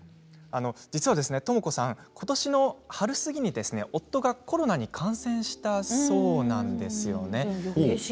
ともこさんことしの春過ぎに夫がコロナに感染したんだそうです。